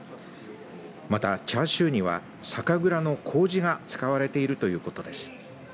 また、チャーシューには酒蔵のこうじが使われているということです。